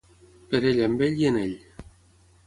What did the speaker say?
Per ell, amb ell i en ell.